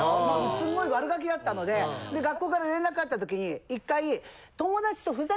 すっごい悪ガキだったので学校から連絡あったときに１回。